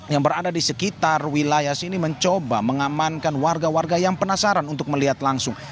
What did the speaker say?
yang berada di sekitar wilayah sini mencoba mengamankan warga warga yang penasaran untuk melihat langsung